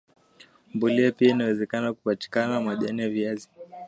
mbolea pia inaweza patikana kwenye majani ya viazi